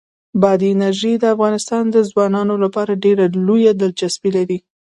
بادي انرژي د افغان ځوانانو لپاره ډېره لویه دلچسپي لري.